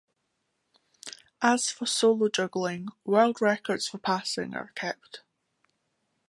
As for solo juggling, world records for passing are kept.